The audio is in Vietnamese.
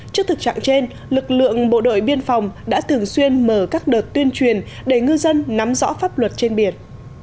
trước thực trạng trên lực lượng bộ đội biên phòng đã thường xuyên mở các đợt tuyên truyền để ngư dân nắm rõ pháp luật trên biển